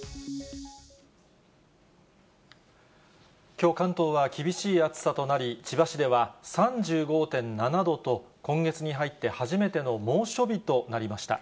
きょう、関東は厳しい暑さとなり、千葉市では３５．７度と、今月に入って初めての猛暑日となりました。